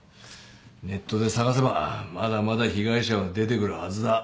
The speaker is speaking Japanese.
ネットで探せばまだまだ被害者は出てくるはずだ。